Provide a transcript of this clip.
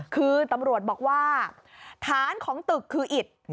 คือตำรวจบอกว่าฐานของตึกคืออิด